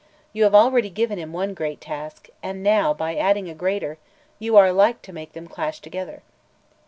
You have already given him one great task, and now, by adding a greater, you are like to make them clash together."